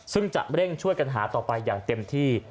ซึ่งจะเร่งช่วยกันหาต่อไปอย่างเต็มที่